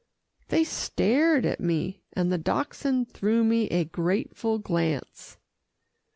They stared at me, and the Dachshund threw me a grateful glance.